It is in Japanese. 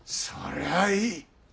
それはいい。